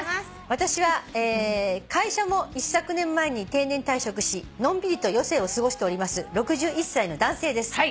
「私は会社も一昨年前に定年退職しのんびりと余生を過ごしております６１歳の男性です。